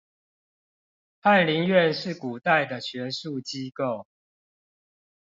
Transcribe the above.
翰林院是古代的學術機構